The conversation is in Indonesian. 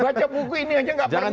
baca buku ini aja gak pernah banyak